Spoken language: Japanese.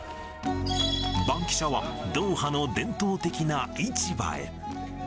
バンキシャは、ドーハの伝統的な市場へ。